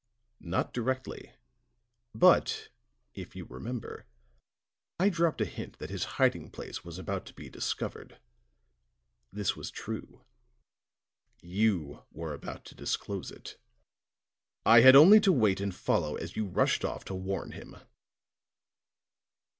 "Not directly. But, if you remember, I dropped a hint that his hiding place was about to be discovered. This was true; you were about to disclose it. I had only to wait and follow as you rushed off to warn him."